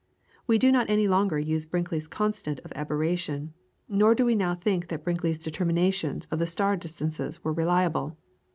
We do not any longer use Brinkley's constant of aberration, nor do we now think that Brinkley's determinations of the star distances were reliable.